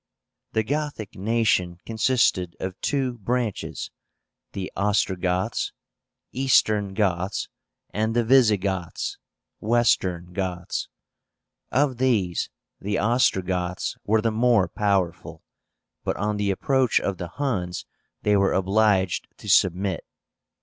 The Gothic nation consisted of two branches, the OSTROGOTHS, Eastern Goths, and the VISIGOTHS, Western Goths, Of these the Ostrogoths were the more powerful, but on the approach of the Huns they were obliged to submit.